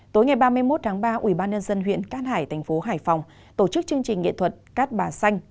tối ngày ba mươi một tháng ba ủy ban nhân dân huyện cát hải thành phố hải phòng tổ chức chương trình nghệ thuật cát bà xanh